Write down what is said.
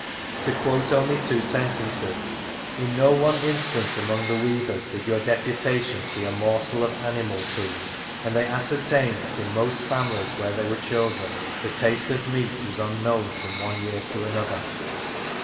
To quote only two sentences :" in no one instance among the weavers did your Deputation see a morsel of animal food, and they ascended that in most families where there were children the taste of meat was unknown from one year to another."